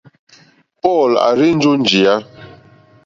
Paul à rzênjé ó njìyá.